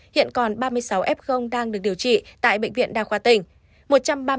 hiện còn ba mươi sáu f đang được điều trị tại bệnh viện đa khoa tỉnh